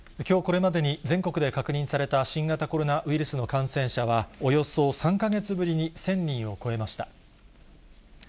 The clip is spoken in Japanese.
きょうこれまでに、全国で確認された新型コロナウイルスの感染者はおよそ３か月ぶりに１０００人を超えました。